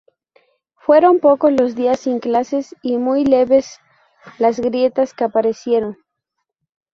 Fueron pocos los días sin clases y muy leves las grietas que aparecieron.